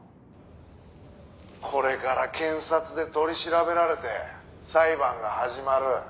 「これから検察で取り調べられて裁判が始まる」